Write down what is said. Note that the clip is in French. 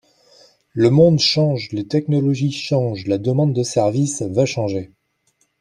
Le monde change, les technologies changent, la demande de services va changer.